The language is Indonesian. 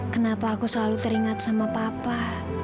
kenapa aku selalu teringat sama papa